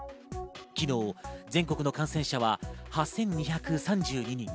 昨日、全国の感染者は８２３２人。